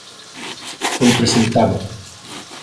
Foi presentado.